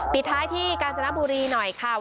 ปิดท้ายที่กราษณะบุรีเชิงการพูดด้วยค่ะ